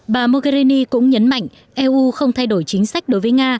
bà mogherini cũng nhấn mạnh eu không thay đổi chính sách đối với nga